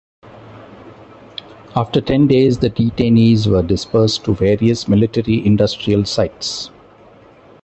After ten days, the detainees were dispersed to various military-industrial sites.